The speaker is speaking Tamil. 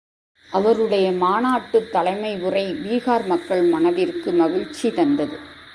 அவருடைய மாநாட்டுத் தலைமையுரை, பீகார் மக்கள் மனதிற்கு மகிழ்ச்சி தந்தது.